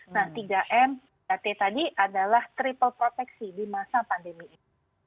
nah tiga m tiga t tadi adalah triple proteksi di masa pandemi ini